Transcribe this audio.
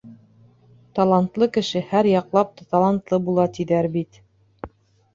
Талантлы кеше һәр яҡлап та талантлы була, тиҙәр бит.